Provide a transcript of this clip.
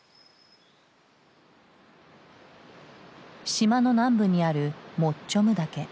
島の南部にあるモッチョム岳。